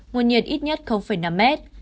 nguồn nhiệt ít nhất năm mét